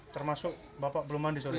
termasuk bapak belum mandi sore